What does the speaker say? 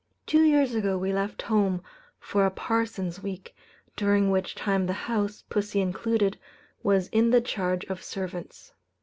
Two years ago we left home for a 'parson's week,' during which time the house, pussy included, was in the charge of servants.